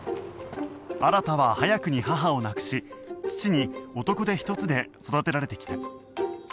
新は早くに母を亡くし父に男手一つで育てられてきた